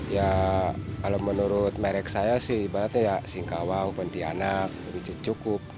ya kalau menurut merek saya sih ibaratnya ya singkawang pentianak cucuk